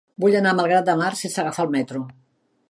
Vull anar a Malgrat de Mar sense agafar el metro.